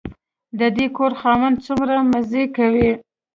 د دې کور خاوند څومره مزې کوي.